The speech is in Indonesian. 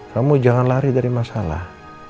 kamu jangan lari dari masalah